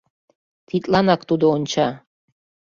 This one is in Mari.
Тидланак тудо онча».